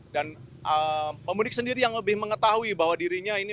dan pemudik sendiri yang lebih mengetahui bahwa dirinya ini